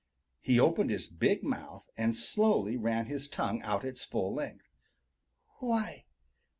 He opened his big mouth and slowly ran his tongue out its full length. "Why!